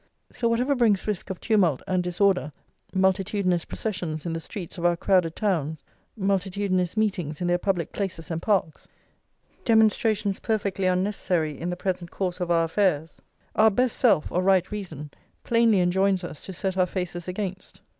So whatever brings risk of tumult and disorder, multitudinous processions in the streets of our crowded towns, multitudinous meetings in their public places and parks, demonstrations perfectly unnecessary in the present course of our affairs, our best self, or right reason, plainly enjoins us to set our faces against.